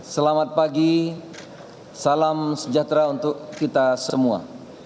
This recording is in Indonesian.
selamat pagi salam sejahtera untuk kita semua